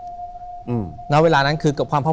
ถูกต้องไหมครับถูกต้องไหมครับ